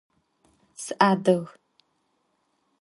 Sıadıg.